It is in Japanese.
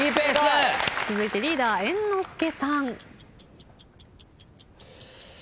続いてリーダー猿之助さん。